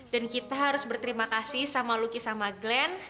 dan kita harus berterima kasih sama lucky sama glen